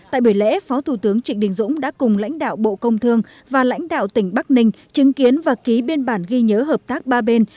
tại buổi lễ phó thủ tướng trịnh đình dũng đã cùng lãnh đạo bộ công thương và lãnh đạo tỉnh bắc ninh chứng kiến và ký biên bản ghi nhớ hợp tác ba bên